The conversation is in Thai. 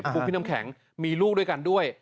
คุณพี่น้ำแข็งมีลูกด้วยกันด้วย